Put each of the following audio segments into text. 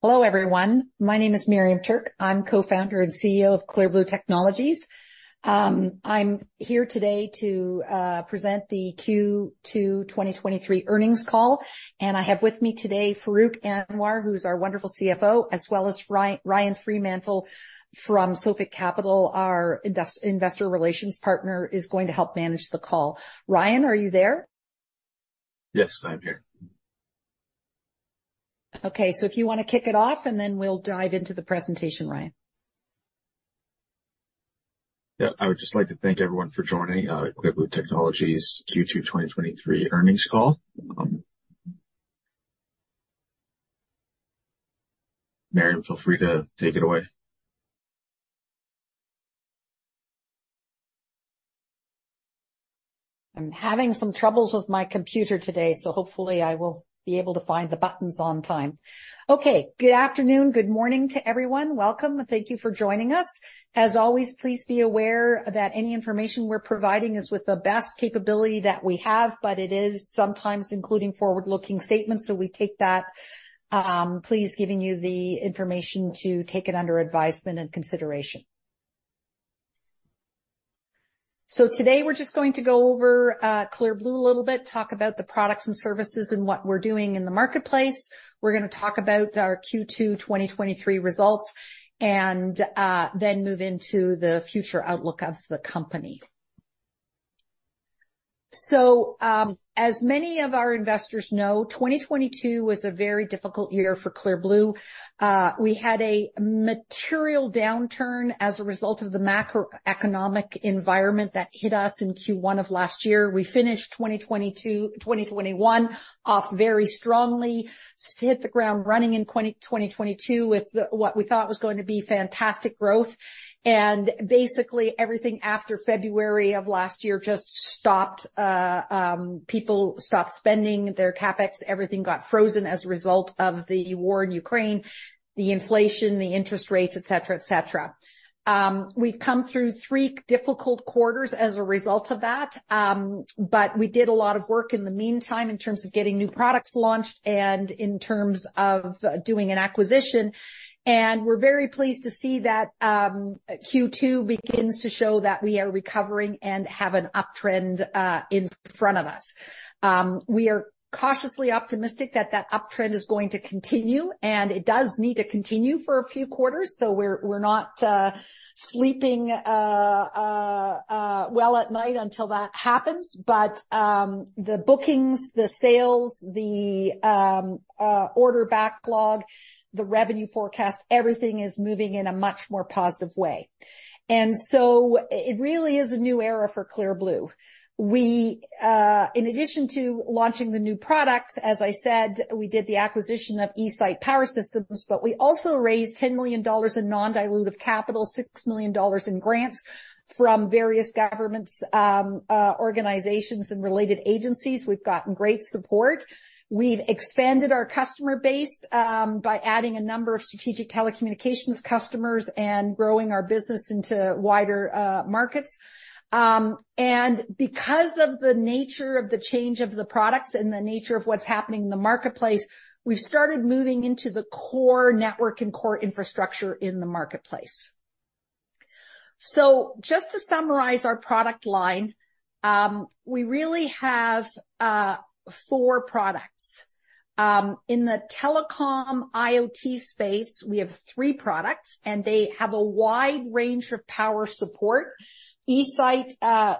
Hello everyone. My name is Miriam Tuerk. I'm co-founder and CEO of Clear Blue Technologies. I'm here today to present the Q2 2023 earnings call, and I have with me today Farrukh Anwar, who's our wonderful CFO, as well as Ryan Freemantle from Sophic Capital. Our investor relations partner is going to help manage the call. Ryan, are you there? Yes, I'm here. Okay, so if you want to kick it off, and then we'll dive into the presentation, Ryan. Yeah. I would just like to thank everyone for joining Clear Blue Technologies Q2 2023 earnings call. Miriam, feel free to take it away. I'm having some troubles with my computer today, so hopefully I will be able to find the buttons on time. Okay. Good afternoon, good morning to everyone. Welcome, and thank you for joining us. As always, please be aware that any information we're providing is with the best capability that we have, but it is sometimes including forward-looking statements, so we take that, please, giving you the information to take it under advisement and consideration. Today we're just going to go over Clear Blue a little bit, talk about the products and services and what we're doing in the marketplace. We're gonna talk about our Q2 2023 results and then move into the future outlook of the company. As many of our investors know, 2022 was a very difficult year for Clear Blue. We had a material downturn as a result of the macroeconomic environment that hit us in Q1 of last year. We finished 2022... 2021 off very strongly, hit the ground running in 2022 with the, what we thought was going to be fantastic growth, and basically everything after February of last year just stopped. People stopped spending their CapEx, everything got frozen as a result of the war in Ukraine, the inflation, the interest rates, et cetera, et cetera. We've come through three difficult quarters as a result of that, but we did a lot of work in the meantime, in terms of getting new products launched and in terms of doing an acquisition. And we're very pleased to see that Q2 begins to show that we are recovering and have an uptrend in front of us. We are cautiously optimistic that that uptrend is going to continue, and it does need to continue for a few quarters, so we're not sleeping well at night until that happens. But the bookings, the sales, the order backlog, the revenue forecast, everything is moving in a much more positive way. And so it really is a new era for Clear Blue. We, in addition to launching the new products, as I said, we did the acquisition of eSite Power Systems, but we also raised 10 million dollars in non-dilutive capital, 6 million dollars in grants from various governments, organizations and related agencies. We've gotten great support. We've expanded our customer base by adding a number of strategic telecommunications customers and growing our business into wider markets. Because of the nature of the change of the products and the nature of what's happening in the marketplace, we've started moving into the core network and core infrastructure in the marketplace. So just to summarize our product line, we really have four products. In the telecom IoT space, we have three products, and they have a wide range of power support. eSite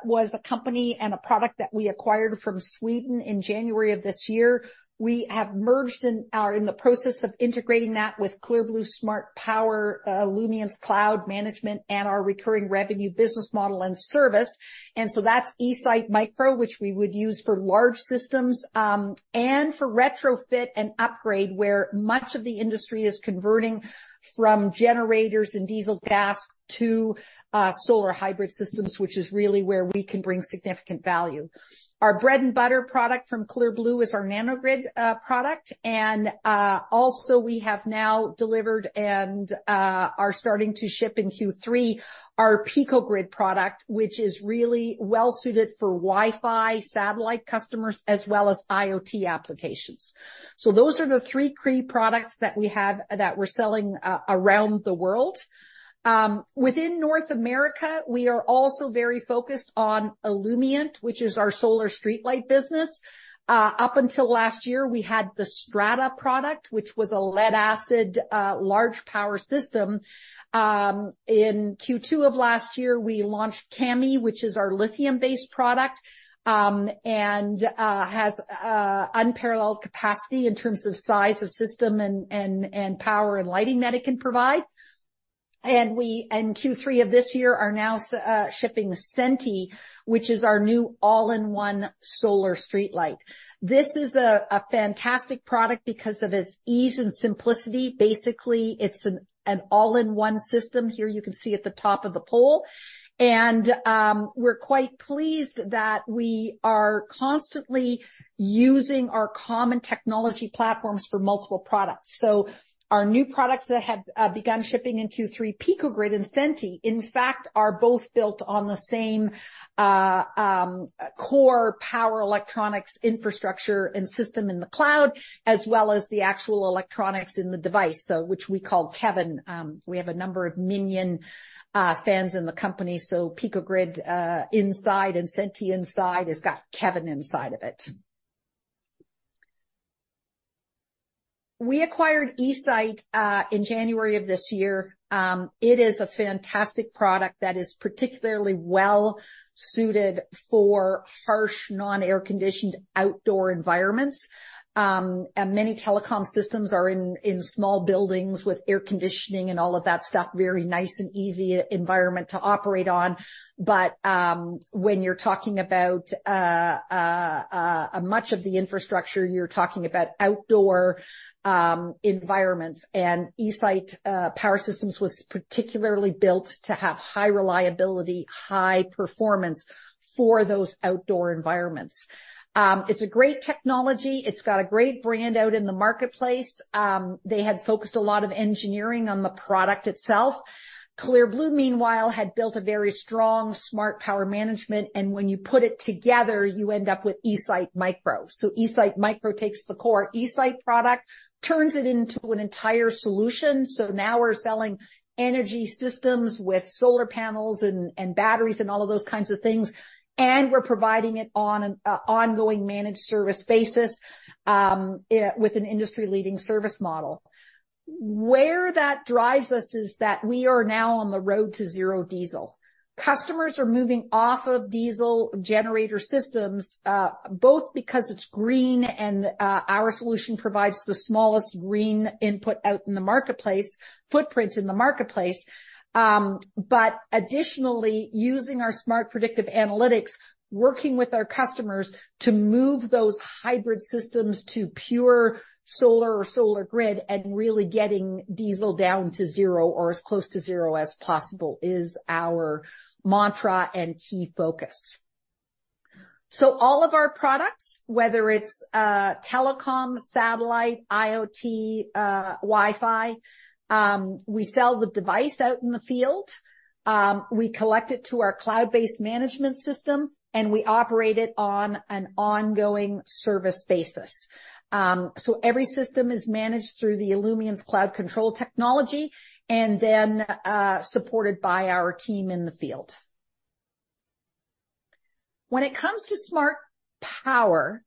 was a company and a product that we acquired from Sweden in January of this year. We have merged and are in the process of integrating that with Clear Blue's smart power, Illumience cloud management, and our recurring revenue business model and service. And so that's eSite Micro, which we would use for large systems, and for retrofit and upgrade, where much of the industry is converting from generators and diesel gas to solar hybrid systems, which is really where we can bring significant value. Our bread and butter product from Clear Blue is our Nano-Grid product, and also we have now delivered and are starting to ship in Q3 our Pico-Grid product, which is really well suited for Wi-Fi satellite customers as well as IoT applications. So those are the three key products that we have that we're selling around the world. Within North America, we are also very focused on Illumient, which is our solar streetlight business. Up until last year, we had the Strata product, which was a lead-acid large power system. In Q2 of last year, we launched Cami, which is our lithium-based product, and has unparalleled capacity in terms of size of system and power and lighting that it can provide. And we, in Q3 of this year, are now shipping Senti, which is our new all-in-one solar streetlight. This is a fantastic product because of its ease and simplicity. Basically, it's an all-in-one system. Here you can see at the top of the pole. And, we're quite pleased that we are constantly using our common technology platforms for multiple products. So our new products that have begun shipping in Q3, Pico-Grid and Senti, in fact, are both built on the same core power electronics infrastructure and system in the cloud, as well as the actual electronics in the device, so which we call Kevin. We have a number of Minion fans in the company, so Pico-Grid inside and Senti inside has got Kevin inside of it. We acquired eSite in January of this year. It is a fantastic product that is particularly well-suited for harsh, non-air-conditioned outdoor environments. And many telecom systems are in small buildings with air conditioning and all of that stuff, very nice and easy environment to operate on. But when you're talking about much of the infrastructure, you're talking about outdoor environments, and eSite Power Systems was particularly built to have high reliability, high performance for those outdoor environments. It's a great technology. It's got a great brand out in the marketplace. They had focused a lot of engineering on the product itself. Clear Blue, meanwhile, had built a very strong smart power management, and when you put it together, you end up with eSite Micro. So eSite Micro takes the core eSite product, turns it into an entire solution. So now we're selling energy systems with solar panels and batteries and all of those kinds of things, and we're providing it on an ongoing managed service basis with an industry-leading service model. Where that drives us is that we are now on the road to zero diesel. Customers are moving off of diesel generator systems both because it's green and our solution provides the smallest green footprint in the marketplace. But additionally, using our smart predictive analytics, working with our customers to move those hybrid systems to pure solar or solar grid and really getting diesel down to zero or as close to zero as possible, is our mantra and key focus. So all of our products, whether it's telecom, satellite, IoT, Wi-Fi, we sell the device out in the field, we collect it to our cloud-based management system, and we operate it on an ongoing service basis. So every system is managed through the Illumience's cloud control technology and then supported by our team in the field. When it comes to smart power,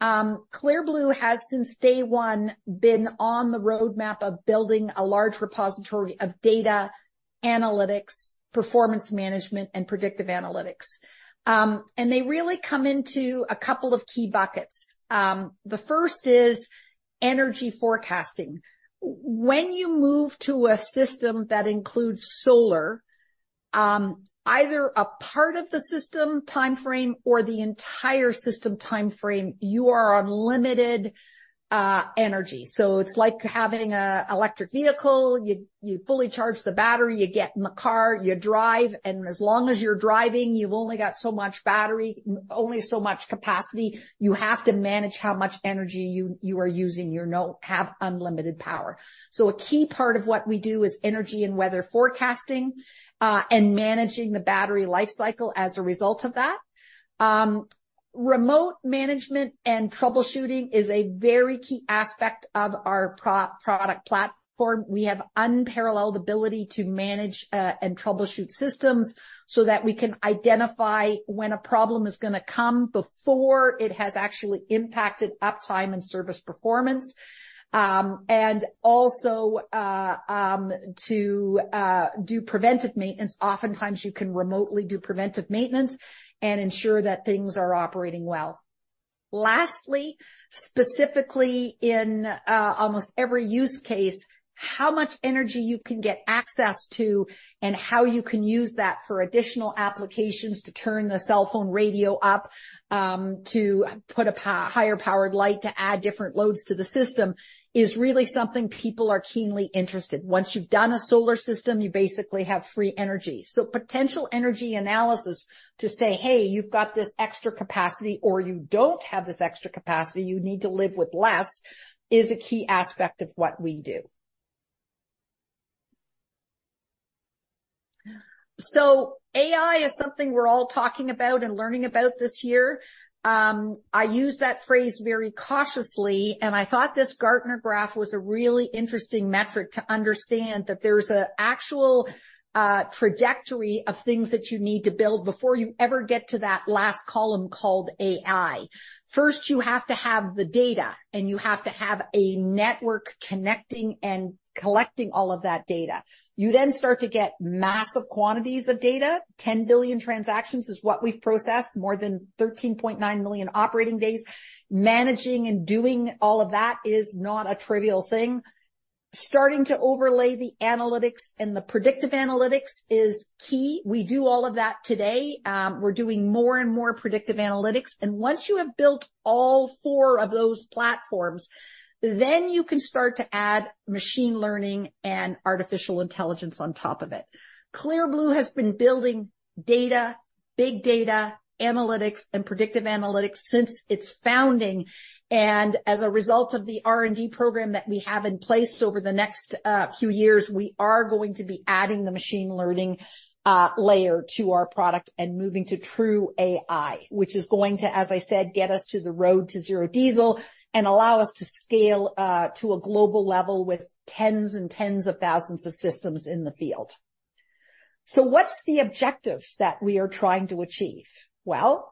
Clear Blue has, since day one, been on the roadmap of building a large repository of data analytics, performance management, and predictive analytics. And they really come into a couple of key buckets. The first is energy forecasting. When you move to a system that includes solar, either a part of the system timeframe or the entire system timeframe, you are on limited energy. So it's like having an electric vehicle. You fully charge the battery, you get in the car, you drive, and as long as you're driving, you've only got so much battery, only so much capacity. You have to manage how much energy you are using. You no have unlimited power. So a key part of what we do is energy and weather forecasting, and managing the battery life cycle as a result of that. Remote management and troubleshooting is a very key aspect of our product platform. We have unparalleled ability to manage, and troubleshoot systems so that we can identify when a problem is going to come before it has actually impacted uptime and service performance. And also, to do preventive maintenance. Oftentimes, you can remotely do preventive maintenance and ensure that things are operating well. Lastly, specifically in, almost every use case, how much energy you can get access to and how you can use that for additional applications to turn the cell phone radio up, to put a higher powered light, to add different loads to the system, is really something people are keenly interested in. Once you've done a solar system, you basically have free energy. So potential energy analysis to say, "Hey, you've got this extra capacity, or you don't have this extra capacity, you need to live with less," is a key aspect of what we do. So AI is something we're all talking about and learning about this year. I use that phrase very cautiously, and I thought this Gartner graph was a really interesting metric to understand that there's an actual trajectory of things that you need to build before you ever get to that last column called AI. First, you have to have the data, and you have to have a network connecting and collecting all of that data. You then start to get massive quantities of data. 10 billion transactions is what we've processed, more than 13.9 million operating days. Managing and doing all of that is not a trivial thing. Starting to overlay the analytics and the predictive analytics is key. We do all of that today. We're doing more and more predictive analytics, and once you have built all four of those platforms, then you can start to add machine learning and artificial intelligence on top of it. Clear Blue has been building data, big data, analytics, and predictive analytics since its founding, and as a result of the R&D program that we have in place over the next few years, we are going to be adding the machine learning layer to our product and moving to true AI, which is going to, as I said, get us to the road to zero diesel and allow us to scale to a global level with 10's and 10's of thousands of systems in the field. So what's the objective that we are trying to achieve? Well,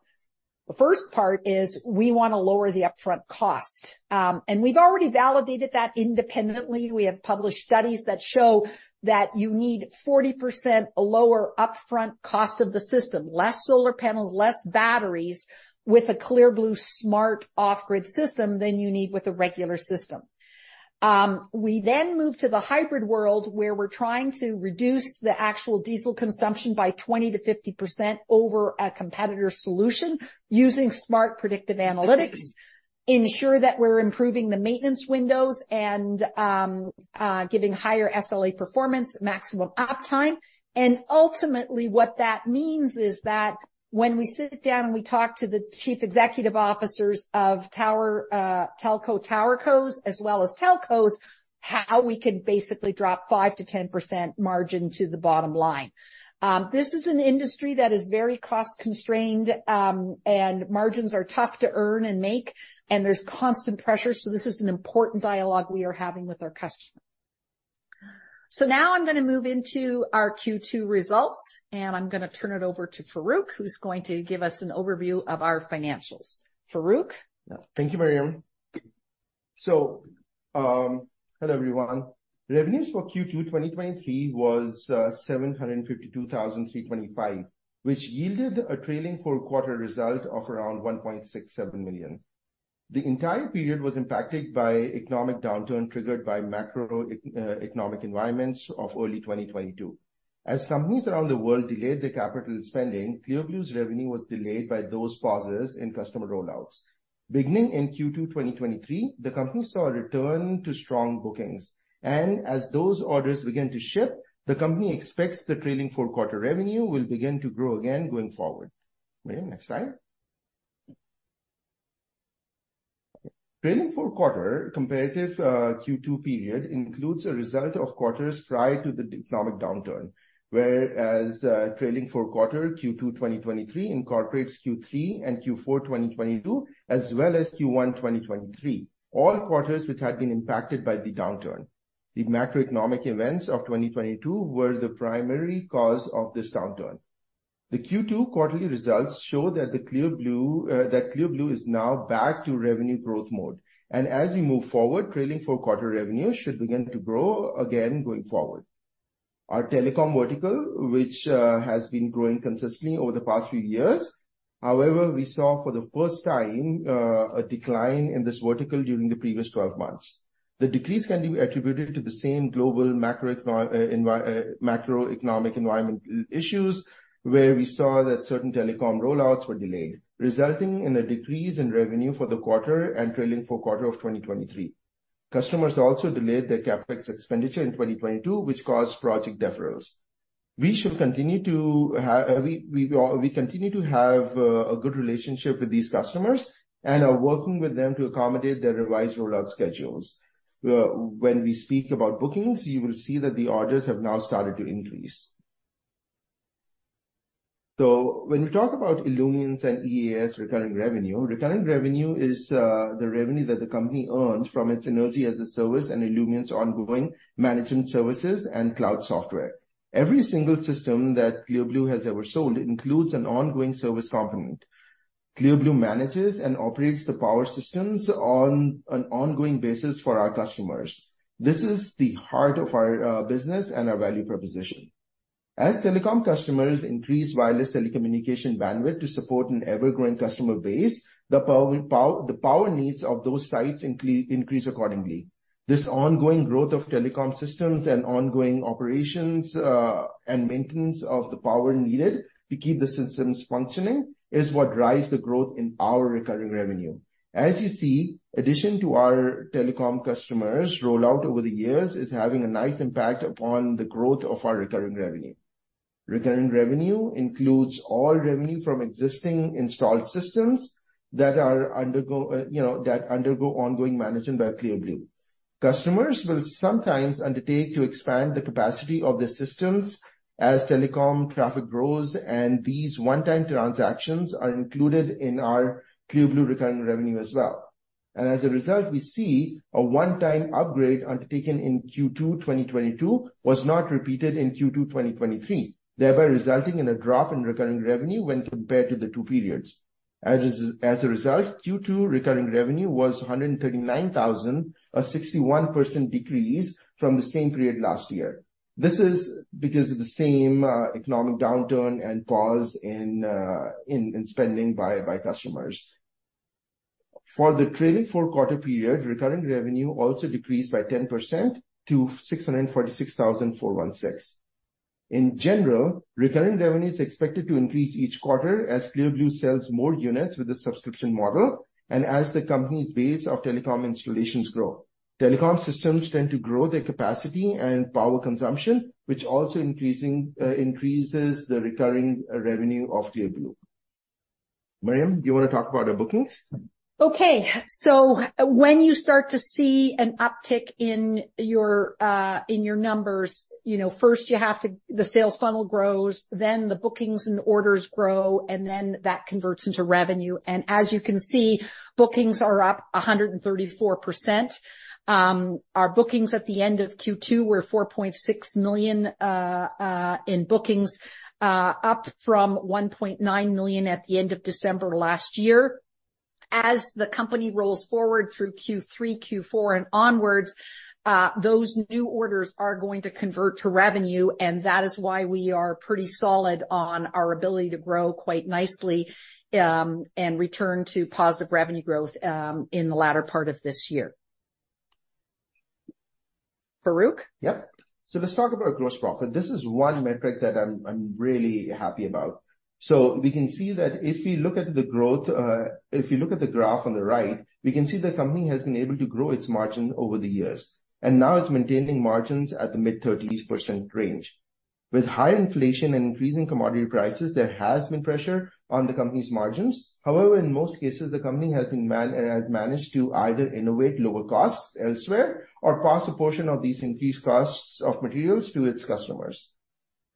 the first part is we want to lower the upfront cost. And we've already validated that independently. We have published studies that show that you need 40% lower upfront cost of the system, less solar panels, less batteries, with a Clear Blue Smart Off-Grid system than you need with a regular system. We then move to the hybrid world, where we're trying to reduce the actual diesel consumption by 20%-50% over a competitor's solution using smart predictive analytics, ensure that we're improving the maintenance windows and giving higher SLA performance, maximum uptime. And ultimately, what that means is that when we sit down and we talk to the Chief Executive Officers of tower telco towercos, as well as telcos, how we can basically drop 5%-10% margin to the bottom line. This is an industry that is very cost-constrained, and margins are tough to earn and make, and there's constant pressure. So this is an important dialogue we are having with our customers. So now I'm going to move into our Q2 results, and I'm going to turn it over to Farrukh, who's going to give us an overview of our financials. Farrukh? Thank you, Miriam. So, hello, everyone. Revenues for Q2 2023 was 752,325, which yielded a trailing four-quarter result of around 1.67 million. The entire period was impacted by economic downturn, triggered by macro economic environments of early 2022. As companies around the world delayed their capital spending, Clear Blue's revenue was delayed by those pauses in customer rollouts. Beginning in Q2 2023, the company saw a return to strong bookings, and as those orders begin to ship, the company expects the trailing four-quarter revenue will begin to grow again going forward. Miriam, next slide. Trailing four-quarter comparative, Q2 period includes a result of quarters prior to the economic downturn, whereas, trailing four-quarter Q2, 2023 incorporates Q3 and Q4, 2022, as well as Q1, 2023, all quarters which had been impacted by the downturn. The macroeconomic events of 2022 were the primary cause of this downturn. The Q2 quarterly results show that the Clear Blue, that Clear Blue is now back to revenue growth mode, and as we move forward, trailing four-quarter revenue should begin to grow again going forward. Our telecom vertical, which, has been growing consistently over the past few years. However, we saw for the first time, a decline in this vertical during the previous 12 months. The decrease can be attributed to the same global macro envi... Environmental macroeconomic environment issues, where we saw that certain telecom rollouts were delayed, resulting in a decrease in revenue for the quarter and Trailing four-quarters of 2023. Customers also delayed their CapEx expenditure in 2022, which caused project deferrals. We continue to have a good relationship with these customers and are working with them to accommodate their revised rollout schedules. When we speak about bookings, you will see that the orders have now started to increase. So when we talk about Illumient and EaaS recurring revenue, recurring revenue is the revenue that the company earns from its energy as a service and Illumient's ongoing management services and cloud software. Every single system that Clear Blue has ever sold includes an ongoing service component. Clear Blue manages and operates the power systems on an ongoing basis for our customers. This is the heart of our business and our value proposition. As telecom customers increase wireless telecommunication bandwidth to support an ever-growing customer base, the power needs of those sites increase accordingly. This ongoing growth of telecom systems and ongoing operations and maintenance of the power needed to keep the systems functioning is what drives the growth in our recurring revenue. As you see, addition to our telecom customers rollout over the years is having a nice impact upon the growth of our recurring revenue. Recurring revenue includes all revenue from existing installed systems that undergo ongoing management by Clear Blue. Customers will sometimes undertake to expand the capacity of their systems as telecom traffic grows, and these one-time transactions are included in our Clear Blue recurring revenue as well. As a result, we see a one-time upgrade undertaken in Q2 2022 was not repeated in Q2 2023, thereby resulting in a drop in recurring revenue when compared to the two periods. As a result, Q2 recurring revenue was 139,000, a 61% decrease from the same period last year. This is because of the same economic downturn and pause in spending by customers. For the Trailing four-quarter period, recurring revenue also decreased by 10% to 646,416. In general, recurring revenue is expected to increase each quarter as Clear Blue sells more units with a subscription model and as the company's base of telecom installations grow. Telecom systems tend to grow their capacity and power consumption, which also increasing, increases the recurring revenue of Clear Blue. Miriam, do you want to talk about our bookings? Okay, so when you start to see an uptick in your numbers, you know, first the sales funnel grows, then the bookings and orders grow, and then that converts into revenue. And as you can see, bookings are up 134%. Our bookings at the end of Q2 were 4.6 million in bookings, up from 1.9 million at the end of December last year. As the company rolls forward through Q3, Q4, and onwards, those new orders are going to convert to revenue, and that is why we are pretty solid on our ability to grow quite nicely, and return to positive revenue growth in the latter part of this year. Farrukh? Yep. So let's talk about gross profit. This is one metric that I'm really happy about. So we can see that if we look at the growth, if you look at the graph on the right, we can see the company has been able to grow its margin over the years, and now it's maintaining margins at the mid-30s% range. With high inflation and increasing commodity prices, there has been pressure on the company's margins. However, in most cases, the company has managed to either innovate lower costs elsewhere or pass a portion of these increased costs of materials to its customers.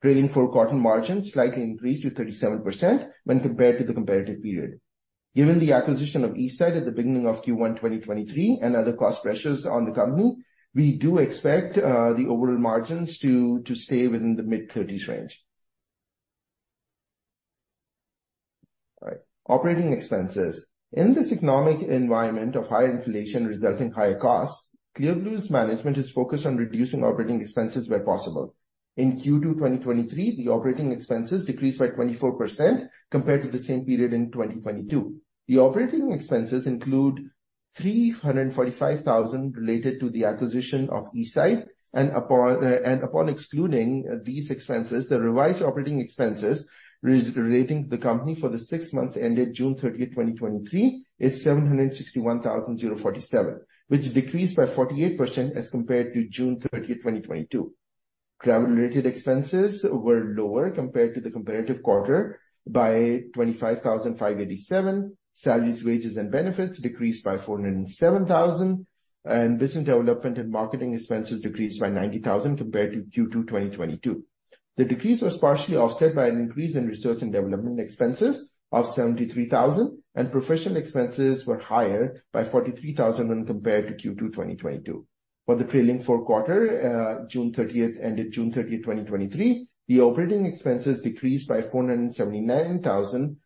Trailing four-quarter margins slightly increased to 37% when compared to the competitive period. Given the acquisition of eSite at the beginning of Q1 2023 and other cost pressures on the company, we do expect the overall margins to stay within the mid-30's range. All right. Operating expenses. In this economic environment of higher inflation resulting in higher costs, Clear Blue's management is focused on reducing operating expenses where possible. In Q2 2023, the operating expenses decreased by 24% compared to the same period in 2022. The operating expenses include 345,000 related to the acquisition of eSite, and upon excluding these expenses, the revised operating expenses relating to the company for the six months ended June 30th, 2023, is 761,047, which decreased by 48% as compared to June 30th, 2022. Travel-related expenses were lower compared to the comparative quarter by 25,587. Salaries, wages, and benefits decreased by 407,000, and business development and marketing expenses decreased by 90,000 compared to Q2 2022. The decrease was partially offset by an increase in research and development expenses of 73,000, and professional expenses were higher by 43,000 when compared to Q2 2022. For the trailing four- quarter, June 30th, ended June 30th, 2023, the operating expenses decreased by 479,000,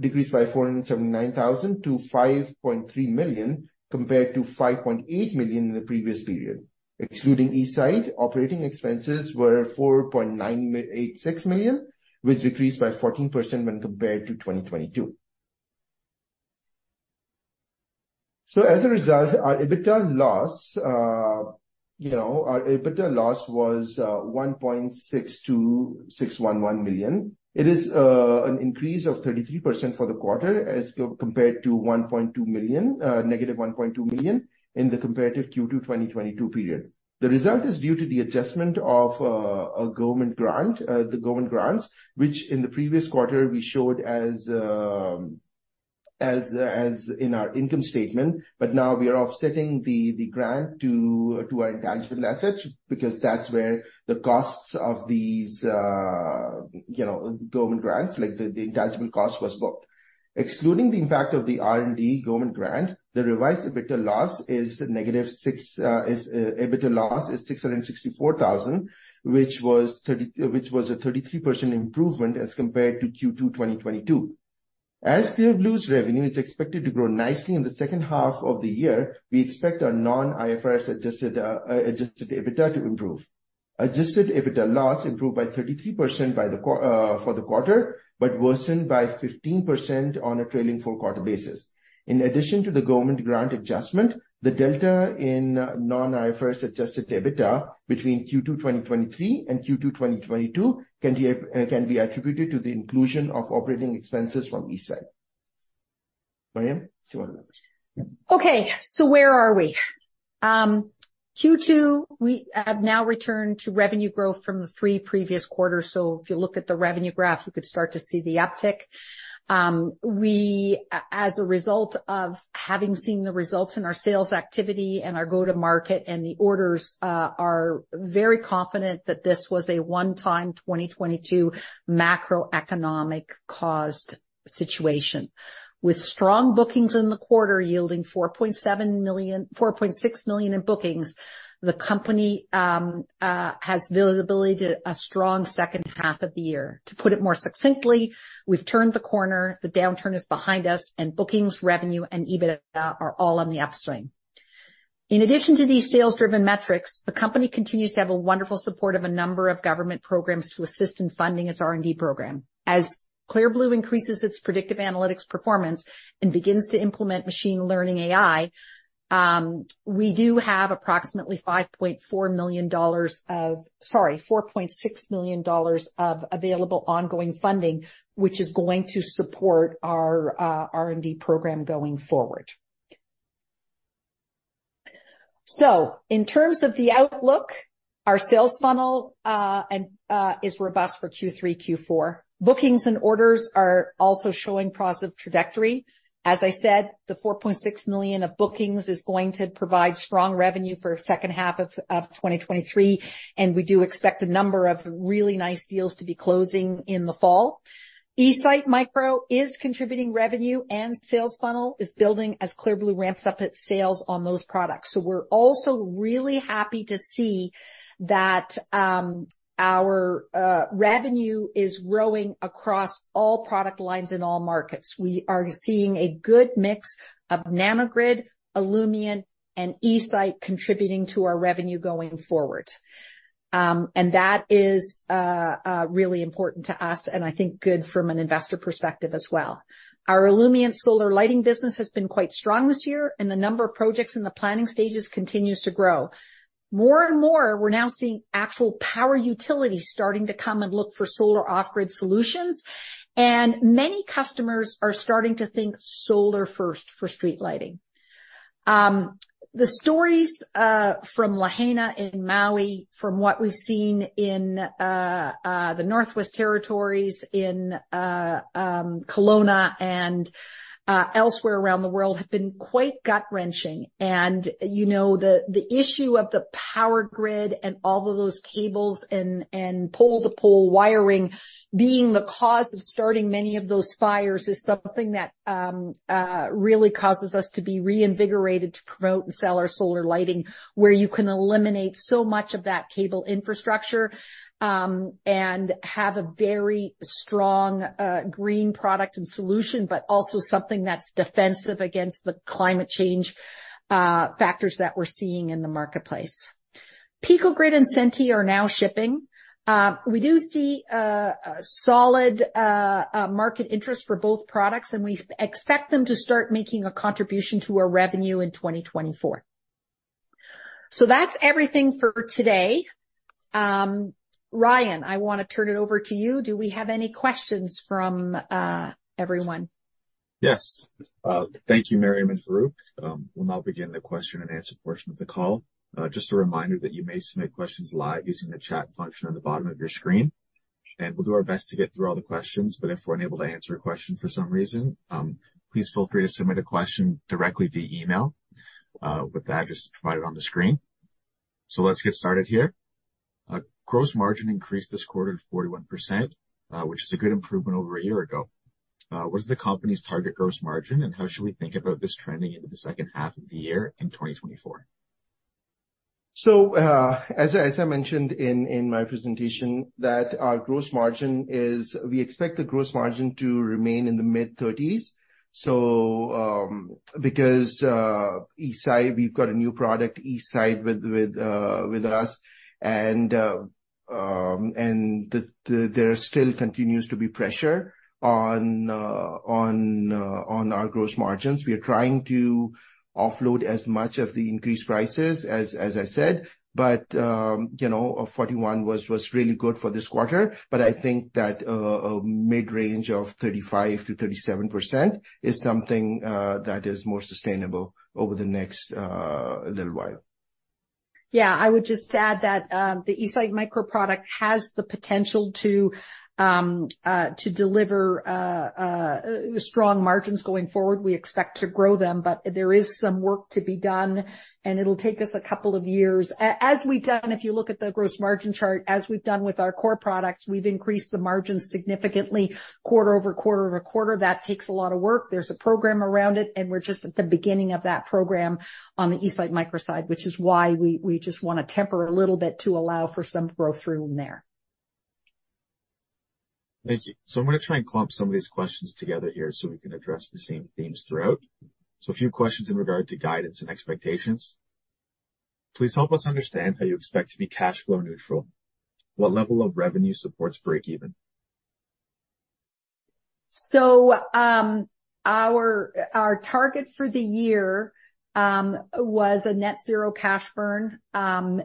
decreased by 479,000 to 5.3 million, compared to 5.8 million in the previous period. Excluding eSite, operating expenses were 4.986 million, which decreased by 14% when compared to 2022. So as a result, our EBITDA loss, you know, our EBITDA loss was 1.62611 million. It is an increase of 33% for the quarter as compared to - 1.2 million in the comparative Q2 2022 period. The result is due to the adjustment of a government grant, the government grants, which in the previous quarter, we showed as, as in our income statement, but now we are offsetting the grant to our intangible assets, because that's where the costs of these, you know, government grants, like the intangible cost, was booked. Excluding the impact of the R&D government grant, the revised EBITDA loss is - 664,000, which was a 33% improvement as compared to Q2 2022. As Clear Blue's revenue is expected to grow nicely in the second half of the year, we expect our non-IFRS Adjusted Adjusted EBITDA to improve. Adjusted EBITDA loss improved by 33% for the quarter, but worsened by 15% on a trailing four-quarter basis. In addition to the government grant adjustment, the delta in non-IFRS adjusted EBITDA between Q2 2023 and Q2 2022 can be attributed to the inclusion of operating expenses from eSite. Miriam, it's your turn. Okay, so where are we? Q2, we have now returned to revenue growth from the three previous quarters. So if you look at the revenue graph, you could start to see the uptick. We, as a result of having seen the results in our sales activity and our go-to-market and the orders, are very confident that this was a one-time 2022 macroeconomic-caused situation. With strong bookings in the quarter yielding 4.7 million 4.6 million in bookings, the company has visibility to a strong second half of the year. To put it more succinctly, we've turned the corner, the downturn is behind us, and bookings, revenue, and EBITDA are all on the upswing. In addition to these sales-driven metrics, the company continues to have a wonderful support of a number of government programs to assist in funding its R&D program. As Clear Blue increases its predictive analytics performance and begins to implement machine learning AI, we do have approximately 4.6 million dollars of available ongoing funding, which is going to support our R&D program going forward. So in terms of the outlook, our sales funnel is robust for Q3, Q4. Bookings and orders are also showing positive trajectory. As I said, the 4.6 million of bookings is going to provide strong revenue for second half of 2023, and we do expect a number of really nice deals to be closing in the fall. eSite Micro is contributing revenue, and sales funnel is building as Clear Blue ramps up its sales on those products. So we're also really happy to see that our revenue is growing across all product lines in all markets. We are seeing a good mix of Nano-Grid, Illumient, and eSite contributing to our revenue going forward. And that is really important to us, and I think good from an investor perspective as well. Our Illumient solar lighting business has been quite strong this year, and the number of projects in the planning stages continues to grow. More and more, we're now seeing actual power utilities starting to come and look for solar off-grid solutions, and many customers are starting to think solar first for street lighting. The stories from Lahaina in Maui, from what we've seen in the Northwest Territories, in Kelowna and elsewhere around the world, have been quite gut-wrenching. And, you know, the issue of the power grid and all of those cables and pole-to-pole wiring being the cause of starting many of those fires is something that really causes us to be reinvigorated to promote and sell our solar lighting, where you can eliminate so much of that cable infrastructure, and have a very strong green product and solution, but also something that's defensive against the climate change factors that we're seeing in the marketplace. Pico-Grid and Senti are now shipping. We do see a solid market interest for both products, and we expect them to start making a contribution to our revenue in 2024. So that's everything for today. Ryan, I want to turn it over to you. Do we have any questions from everyone? Yes. Thank you, Miriam and Farrukh. We'll now begin the question and answer portion of the call. Just a reminder that you may submit questions live using the chat function on the bottom of your screen, and we'll do our best to get through all the questions. But if we're unable to answer a question for some reason, please feel free to submit a question directly via email, with the address provided on the screen. So let's get started here. Gross margin increased this quarter to 41%, which is a good improvement over a year ago. What is the company's target gross margin, and how should we think about this trending into the second half of the year in 2024? As I mentioned in my presentation, that our gross margin is... We expect the gross margin to remain in the mid-30s. Because eSite, we've got a new product, eSite, with us and there still continues to be pressure on our gross margins. We are trying to offload as much of the increased prices, as I said, but you know, 41% was really good for this quarter. But I think that a mid-range of 35%-37% is something that is more sustainable over the next little while. Yeah. I would just add that, the eSite Micro product has the potential to deliver strong margins going forward. We expect to grow them, but there is some work to be done, and it'll take us a couple of years. As we've done, if you look at the gross margin chart, as we've done with our core products, we've increased the margins significantly quarter-over-quarter-over-quarter. That takes a lot of work. There's a program around it, and we're just at the beginning of that program on the eSite Micro side, which is why we just want to temper a little bit to allow for some growth through in there. Thank you. I'm going to try and clump some of these questions together here so we can address the same themes throughout. A few questions in regard to guidance and expectations. Please help us understand how you expect to be cash flow neutral. What level of revenue supports breakeven? So, our target for the year was a net 0 cash burn, and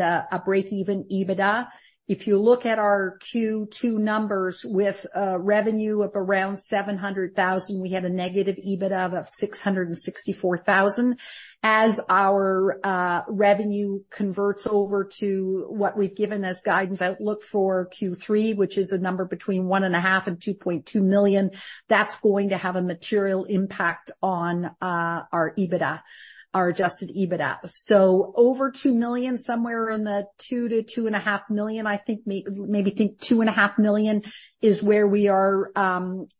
a break-even EBITDA. If you look at our Q2 numbers, with revenue of around 700,000, we had a negative EBITDA of 664,000. As our revenue converts over to what we've given as guidance outlook for Q3, which is a number between 1.5 million and 2.2 million, that's going to have a material impact on our EBITDA, our Adjusted EBITDA. So over 2 million, somewhere in the 2 million-2.5 million, I think maybe 2.5 million is where we are,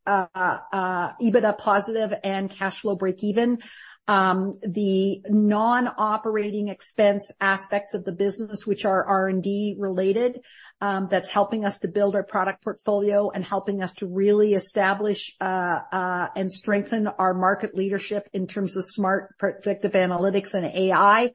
EBITDA positive and cash flow break even. The non-operating expense aspects of the business, which are R&D related, that's helping us to build our product portfolio and helping us to really establish, and strengthen our market leadership in terms of smart predictive analytics and AI,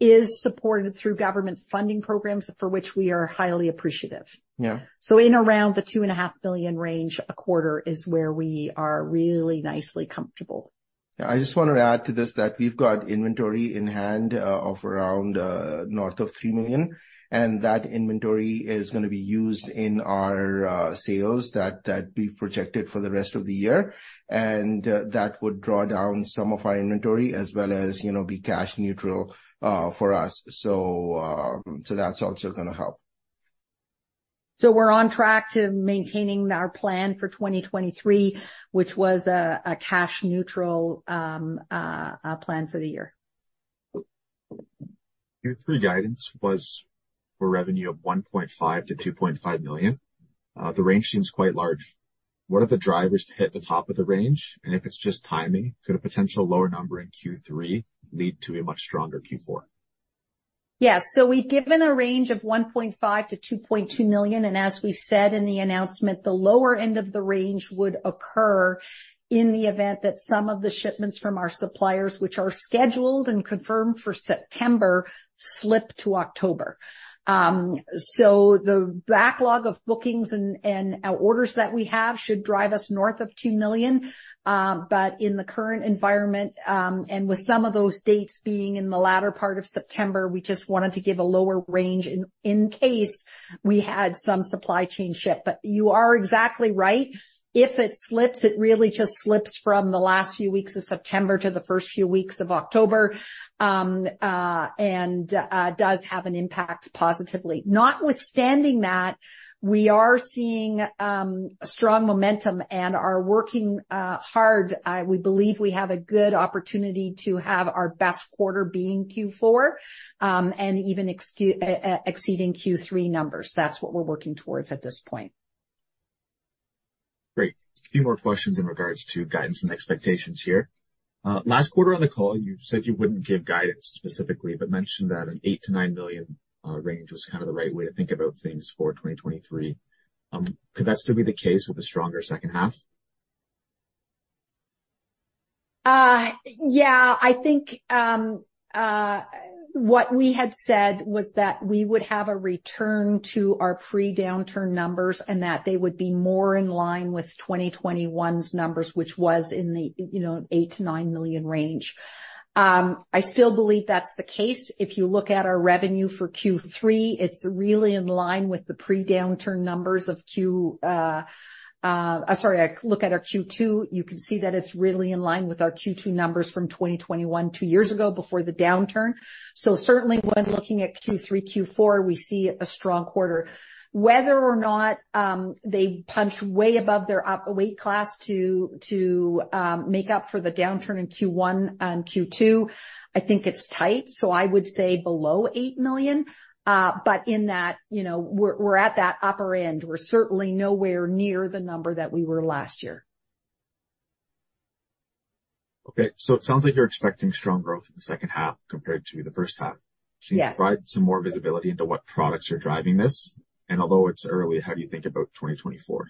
is supported through government funding programs, for which we are highly appreciative. Yeah. In around the 2.5 million range a quarter is where we are really nicely comfortable. Yeah. I just want to add to this, that we've got inventory in hand of around north of 3 million, and that inventory is going to be used in our sales that we've projected for the rest of the year. That would draw down some of our inventory as well as, you know, be cash neutral for us. So that's also going to help. So we're on track to maintaining our plan for 2023, which was a cash neutral plan for the year. Q3 guidance was for revenue of 1.5 million-2.5 million. The range seems quite large. What are the drivers to hit the top of the range? If it's just timing, could a potential lower number in Q3 lead to a much stronger Q4? ... Yes. So we've given a range of 1.5 million-2.2 million, and as we said in the announcement, the lower end of the range would occur in the event that some of the shipments from our suppliers, which are scheduled and confirmed for September, slip to October. So the backlog of bookings and orders that we have should drive us north of 2 million. But in the current environment, and with some of those dates being in the latter part of September, we just wanted to give a lower range in case we had some supply chain ship. But you are exactly right. If it slips, it really just slips from the last few weeks of September to the first few weeks of October, and does have an impact positively. Notwithstanding that, we are seeing strong momentum and are working hard. We believe we have a good opportunity to have our best quarter being Q4, and even exceeding Q3 numbers. That's what we're working towards at this point. Great. A few more questions in regards to guidance and expectations here. Last quarter on the call, you said you wouldn't give guidance specifically, but mentioned that a 8 million-9 million range was kind of the right way to think about things for 2023. Could that still be the case with a stronger second half? Yeah. I think what we had said was that we would have a return to our pre-downturn numbers, and that they would be more in line with 2021's numbers, which was in the, you know, 8 million-9 million range. I still believe that's the case. If you look at our revenue for Q3, it's really in line with the pre-downturn numbers of Q... Sorry, look at our Q2, you can see that it's really in line with our Q2 numbers from 2021, two years ago, before the downturn. So certainly when looking at Q3, Q4, we see a strong quarter. Whether or not they punch way above their up weight class to make up for the downturn in Q1 and Q2, I think it's tight, so I would say below 8 million. But in that, you know, we're, we're at that upper end. We're certainly nowhere near the number that we were last year. Okay, so it sounds like you're expecting strong growth in the second half compared to the first half. Yes. Can you provide some more visibility into what products are driving this? Although it's early, how do you think about 2024?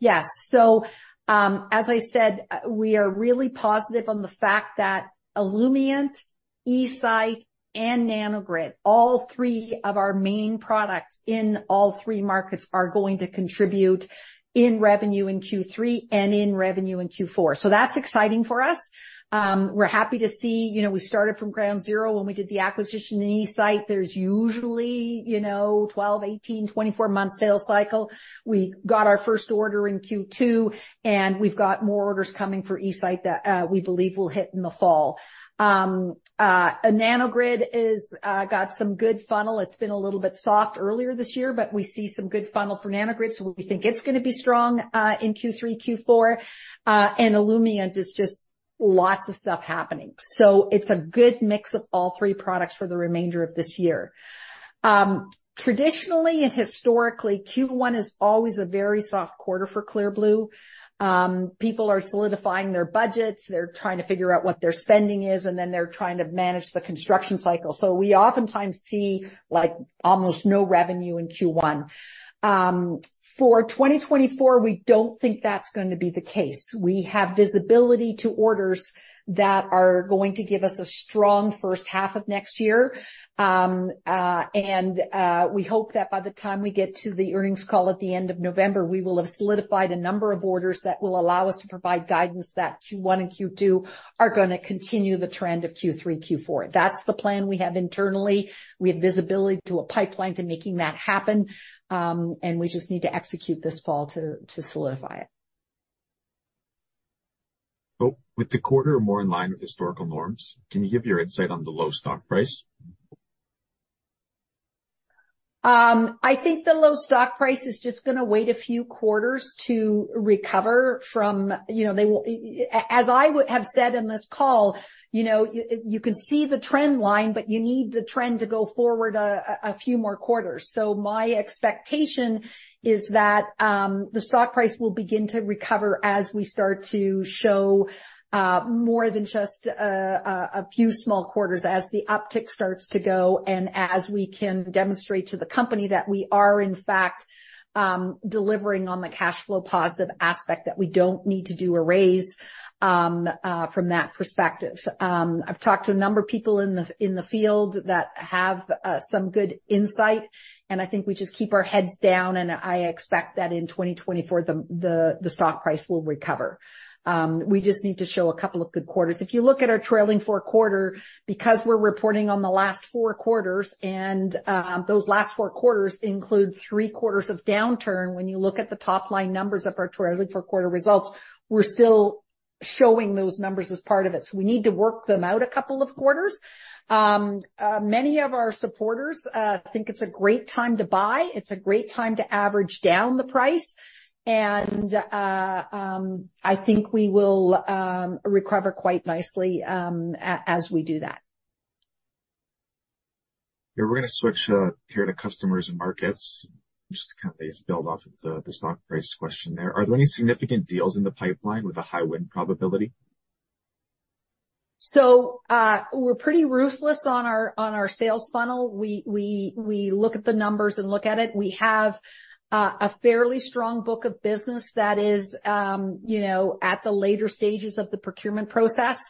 Yes. So, as I said, we are really positive on the fact that Illumient, eSite, and Nano-Grid, all three of our main products in all three markets, are going to contribute in revenue in Q3 and in revenue in Q4. So that's exciting for us. We're happy to see... You know, we started from ground zero when we did the acquisition in eSite. There's usually, you know, 12, 18, 24-month sales cycle. We got our first order in Q2, and we've got more orders coming for eSite that we believe will hit in the fall. Nanogrid is got some good funnel. It's been a little bit soft earlier this year, but we see some good funnel for Nano-Grid, so we think it's going to be strong in Q3, Q4. And Illumient is just lots of stuff happening. So it's a good mix of all three products for the remainder of this year. Traditionally and historically, Q1 is always a very soft quarter for Clear Blue. People are solidifying their budgets, they're trying to figure out what their spending is, and then they're trying to manage the construction cycle. So we oftentimes see, like, almost no revenue in Q1. For 2024, we don't think that's going to be the case. We have visibility to orders that are going to give us a strong first half of next year. And we hope that by the time we get to the earnings call at the end of November, we will have solidified a number of orders that will allow us to provide guidance that Q1 and Q2 are going to continue the trend of Q3, Q4. That's the plan we have internally. We have visibility to a pipeline to making that happen, and we just need to execute this fall to solidify it. With the quarter more in line with historical norms, can you give your insight on the low stock price? I think the low stock price is just going to wait a few quarters to recover from. You know, as I have said in this call, you know, you can see the trend line, but you need the trend to go forward a few more quarters. So my expectation is that, the stock price will begin to recover as we start to show more than just a few small quarters, as the uptick starts to go, and as we can demonstrate to the company that we are, in fact, delivering on the cash flow positive aspect, that we don't need to do a raise, from that perspective. I've talked to a number of people in the field that have some good insight, and I think we just keep our heads down, and I expect that in 2024, the stock price will recover. We just need to show a couple of good quarters. If you look at our trailing four-quarter, because we're reporting on the last four quarters, and those last four quarters include three quarters of downturn, when you look at the top-line numbers of our trailing four-quarter results, we're still showing those numbers as part of it. So we need to work them out a couple of quarters. Many of our supporters think it's a great time to buy. It's a great time to average down the price, and I think we will recover quite nicely as we do that. Yeah. We're going to switch here to customers and markets. Just to kind of build off of the stock price question there. Are there any significant deals in the pipeline with a high win probability?... So, we're pretty ruthless on our sales funnel. We look at the numbers and look at it. We have a fairly strong book of business that is, you know, at the later stages of the procurement process.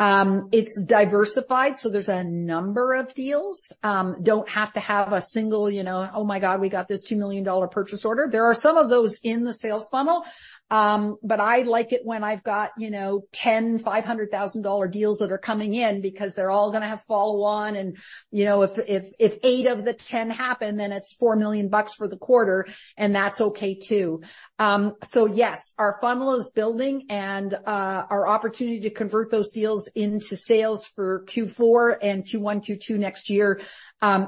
It's diversified, so there's a number of deals. Don't have to have a single, you know, oh, my God, we got this 2 million dollar purchase order. There are some of those in the sales funnel, but I like it when I've got, you know, 10 $500,000 deals that are coming in because they're all going to have follow-on. And, you know, if eight of the 10 happen, then it's 4 million bucks for the quarter, and that's okay too. So yes, our funnel is building, and our opportunity to convert those deals into sales for Q4 and Q1, Q2 next year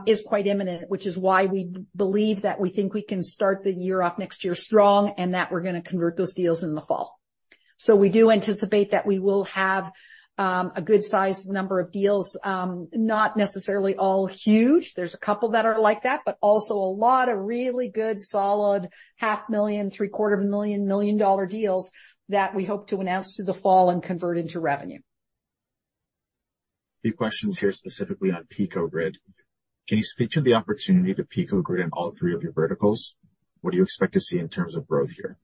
is quite imminent, which is why we believe that we think we can start the year off next year strong and that we're going to convert those deals in the fall. So we do anticipate that we will have a good size number of deals, not necessarily all huge. There's a couple that are like that, but also a lot of really good, solid 500,000, 750,000, 1 million-dollar deals that we hope to announce through the fall and convert into revenue. A few questions here, specifically on Pico-Grid. Can you speak to the opportunity to Pico-Grid in all three of your verticals? What do you expect to see in terms of growth here?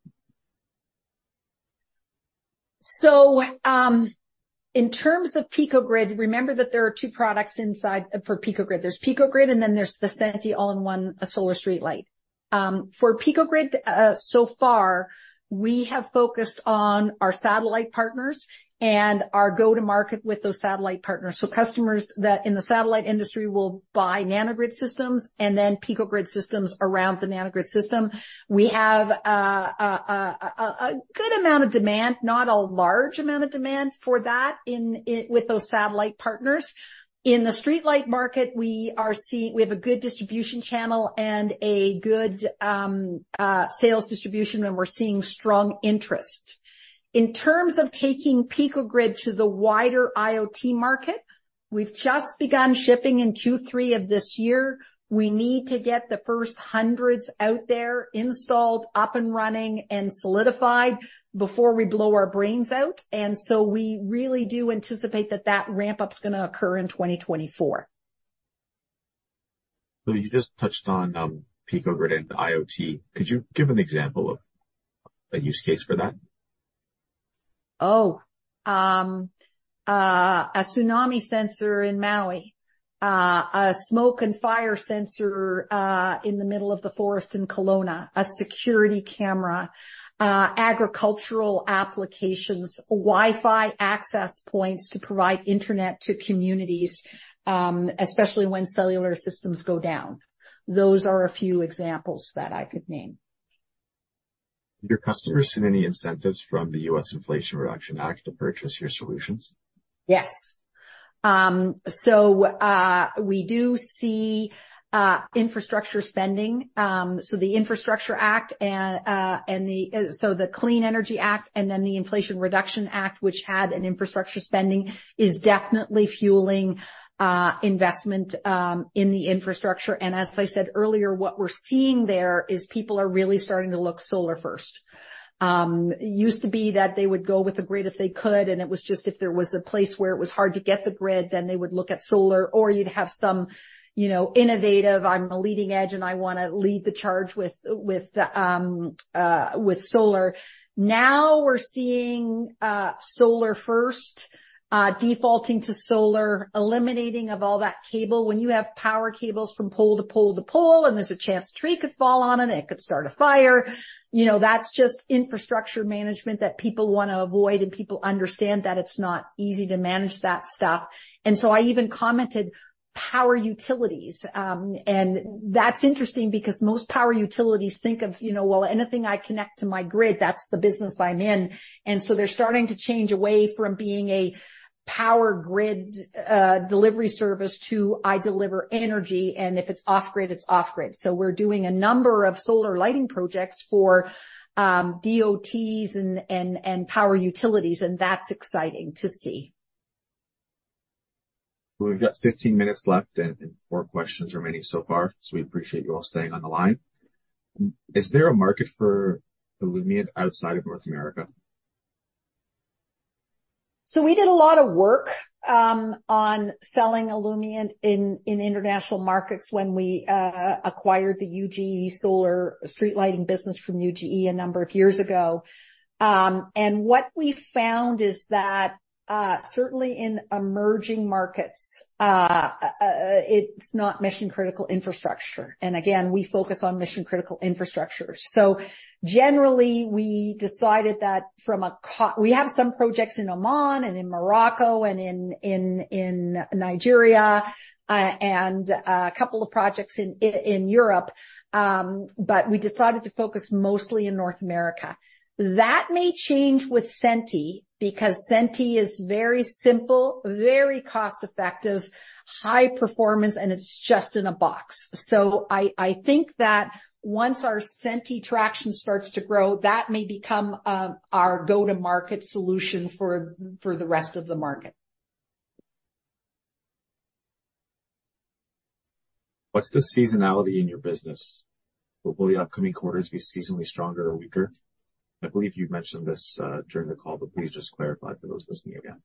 So, in terms of Pico-Grid, remember that there are two products inside for Pico-Grid. There's Pico-Grid, and then there's the Senti all-in-one solar streetlight. For Pico-Grid, so far, we have focused on our satellite partners and our go-to-market with those satellite partners. So customers that in the satellite industry will buy Nano-Grid systems and then Pico-Grid systems around the Nano-Grid system. We have a good amount of demand, not a large amount of demand for that in with those satellite partners. In the streetlight market, we are seeing... We have a good distribution channel and a good sales distribution, and we're seeing strong interest. In terms of taking Pico-Grid to the wider IoT market, we've just begun shipping in Q3 of this year. We need to get the first hundreds out there installed, up and running, and solidified before we blow our brains out. And so we really do anticipate that that ramp-up is going to occur in 2024. You just touched on, Pico-Grid and IoT. Could you give an example of a use case for that? a tsunami sensor in Maui, a smoke and fire sensor in the middle of the forest in Kelowna, a security camera, agricultural applications, Wi-Fi access points to provide internet to communities, especially when cellular systems go down. Those are a few examples that I could name. Do your customers see any incentives from the U.S. Inflation Reduction Act to purchase your solutions? Yes. So, we do see infrastructure spending. So the Infrastructure Act and the Clean Energy Act, and then the Inflation Reduction Act, which had an infrastructure spending, is definitely fueling investment in the infrastructure. And as I said earlier, what we're seeing there is people are really starting to look solar first. It used to be that they would go with the grid if they could, and it was just if there was a place where it was hard to get the grid, then they would look at solar, or you'd have some, you know, innovative, I'm a leading edge, and I want to lead the charge with solar. Now, we're seeing solar first, defaulting to solar, eliminating of all that cable. When you have power cables from pole to pole to pole, and there's a chance a tree could fall on it, it could start a fire. You know, that's just infrastructure management that people want to avoid, and people understand that it's not easy to manage that stuff. And so I even commented, power utilities. And that's interesting because most power utilities think of, you know, well, anything I connect to my grid, that's the business I'm in. And so they're starting to change away from being a power grid, delivery service to I deliver energy, and if it's off-grid, it's off-grid. So we're doing a number of solar lighting projects for DOTs and power utilities, and that's exciting to see. We've got 15 minutes left and four questions remaining so far, so we appreciate you all staying on the line. Is there a market for Illumient outside of North America? So we did a lot of work on selling Illumient in international markets when we acquired the UGE solar street lighting business from UGE a number of years ago. And what we found is that certainly in emerging markets it's not mission-critical infrastructure. And again, we focus on mission-critical infrastructure. So generally, we decided we have some projects in Oman and in Morocco and in Nigeria and a couple of projects in Europe, but we decided to focus mostly in North America. That may change with Senti because Senti is very simple, very cost-effective, high performance, and it's just in a box. So I think that once our Senti traction starts to grow, that may become our go-to-market solution for the rest of the market.... What's the seasonality in your business? Will the upcoming quarters be seasonally stronger or weaker? I believe you've mentioned this, during the call, but please just clarify for those listening again.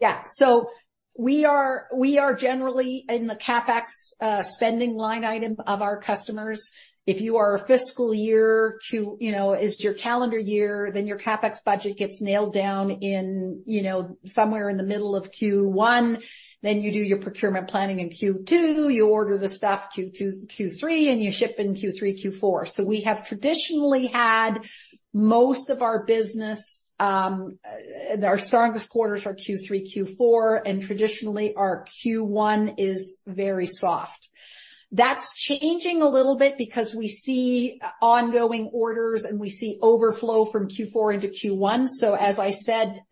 Yeah. So we are, we are generally in the CapEx spending line item of our customers. If you are a fiscal year, Q, you know, is your calendar year, then your CapEx budget gets nailed down in, you know, somewhere in the middle of Q1. Then you do your procurement planning in Q2, you order the stuff Q2, Q3, and you ship in Q3, Q4. So we have traditionally had most of our business, our strongest quarters are Q3, Q4, and traditionally, our Q1 is very soft. That's changing a little bit because we see ongoing orders, and we see overflow from Q4 into Q1. So as I said,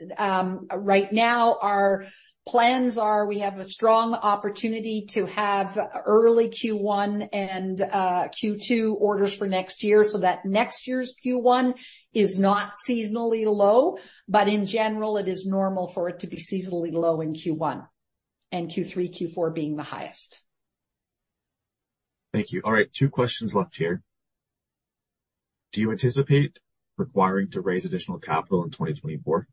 right now, our plans are we have a strong opportunity to have early Q1 and, Q2 orders for next year, so that next year's Q1 is not seasonally low. In general, it is normal for it to be seasonally low in Q1, and Q3, Q4 being the highest. Thank you. All right, two questions left here. Do you anticipate requiring to raise additional capital in 2024?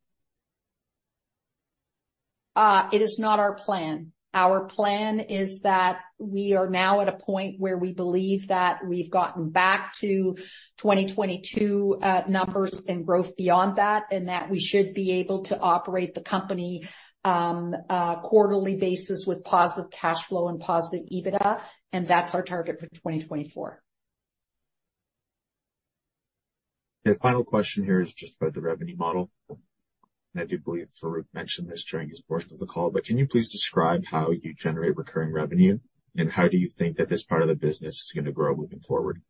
It is not our plan. Our plan is that we are now at a point where we believe that we've gotten back to 2022 numbers and growth beyond that, and that we should be able to operate the company quarterly basis with positive cash flow and positive EBITDA, and that's our target for 2024. The final question here is just about the revenue model. I do believe Farrukh mentioned this during his portion of the call, but can you please describe how you generate recurring revenue? How do you think that this part of the business is going to grow moving forward?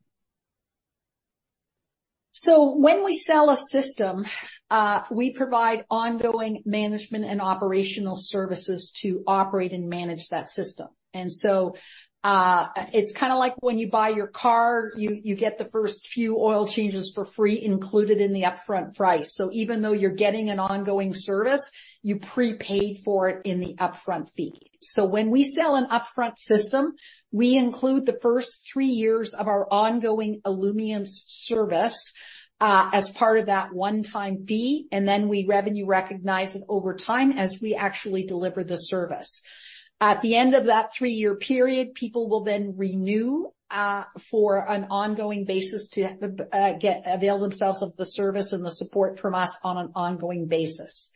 When we sell a system, we provide ongoing management and operational services to operate and manage that system. And so, it's kind of like when you buy your car, you get the first few oil changes for free, included in the upfront price. So even though you're getting an ongoing service, you prepaid for it in the upfront fee. So when we sell an upfront system, we include the first three years of our ongoing Illumience service, as part of that one-time fee, and then we revenue recognize it over time as we actually deliver the service. At the end of that three-year period, people will then renew for an ongoing basis to avail themselves of the service and the support from us on an ongoing basis.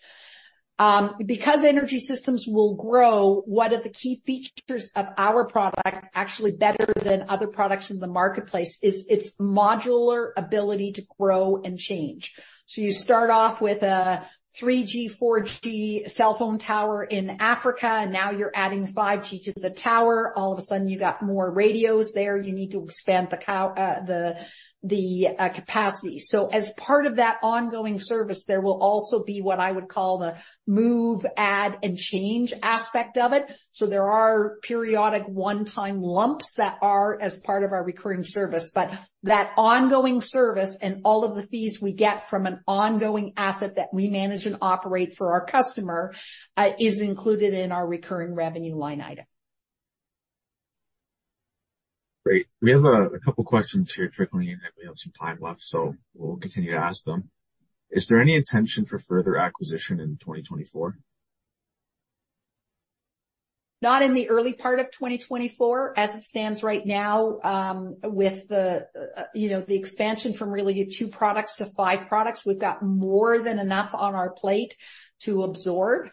Because energy systems will grow, one of the key features of our product, actually better than other products in the marketplace, is its modular ability to grow and change. So you start off with a 3G, 4G cell phone tower in Africa, and now you're adding 5G to the tower. All of a sudden, you got more radios there. You need to expand the capacity. So as part of that ongoing service, there will also be what I would call the move, add, and change aspect of it. So there are periodic one-time lumps that are as part of our recurring service, but that ongoing service and all of the fees we get from an ongoing asset that we manage and operate for our customer is included in our recurring revenue line item. Great. We have a couple questions here trickling in, and we have some time left, so we'll continue to ask them. Is there any intention for further acquisition in 2024? Not in the early part of 2024. As it stands right now, with the, you know, the expansion from really two products to five products, we've got more than enough on our plate to absorb.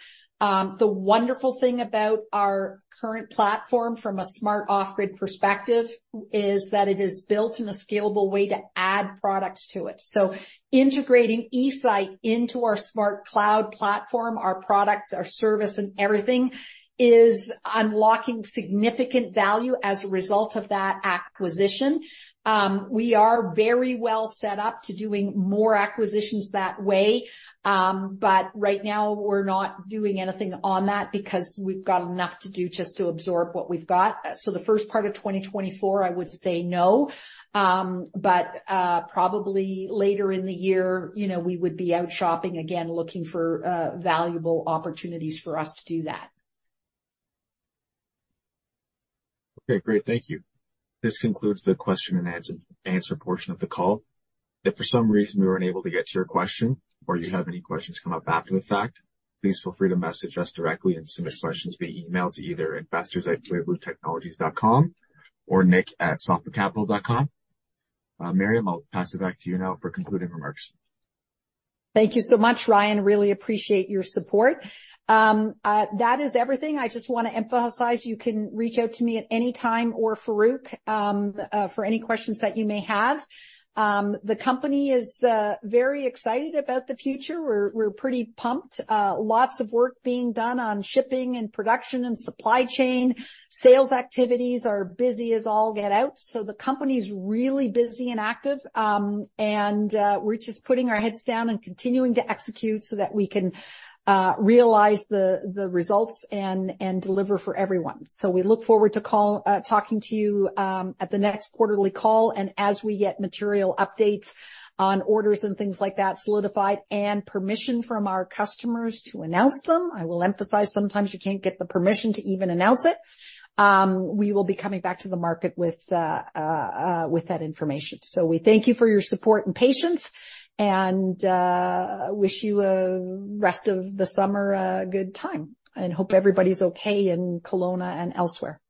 The wonderful thing about our current platform from a Smart Off-Grid perspective is that it is built in a scalable way to add products to it. So integrating eSite into our smart cloud platform, our product, our service, and everything, is unlocking significant value as a result of that acquisition. We are very well set up to doing more acquisitions that way. But right now, we're not doing anything on that because we've got enough to do just to absorb what we've got. So the first part of 2024, I would say no. Probably later in the year, you know, we would be out shopping again, looking for valuable opportunities for us to do that. Okay, great. Thank you. This concludes the question and answer, answer portion of the call. If for some reason we were unable to get to your question or you have any questions come up after the fact, please feel free to message us directly and submit questions via email to either investors@clearbluetechnologies.com or nick@sophiccapital.com. Miriam, I'll pass it back to you now for concluding remarks. Thank you so much, Ryan. Really appreciate your support. That is everything. I just want to emphasize, you can reach out to me at any time or Farrukh for any questions that you may have. The company is very excited about the future. We're pretty pumped. Lots of work being done on shipping and production and supply chain. Sales activities are busy as all get out, so the company's really busy and active. We're just putting our heads down and continuing to execute so that we can realize the results and deliver for everyone. So we look forward to talking to you at the next quarterly call. And as we get material updates on orders and things like that solidified and permission from our customers to announce them, I will emphasize, sometimes you can't get the permission to even announce it, we will be coming back to the market with that information. So we thank you for your support and patience, and wish you a rest of the summer, a good time, and hope everybody's okay in Kelowna and elsewhere.